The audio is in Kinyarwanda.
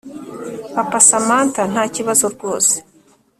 papa samantha: ntakibazo rwose